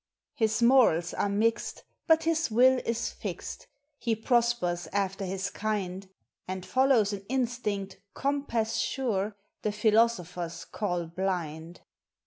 His morals are mixed, but his will is fixed; He prospers after his kind, And follows an instinct, coinpass sure, The philosophers call blind.